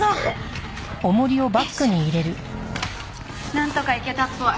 なんとかいけたっぽい。